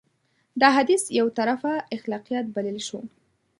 دا حديث يو طرفه اخلاقيات بللی شو.